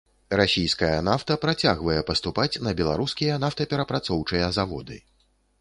Расійская нафта працягвае паступаць на беларускія нафтаперапрацоўчыя заводы.